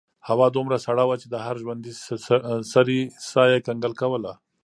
هوا دومره سړه وه چې د هر ژوندي سري ساه یې کنګل کوله.